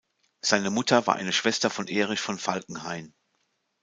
Seine Mutter war eine Schwester von Erich von Falkenhayn.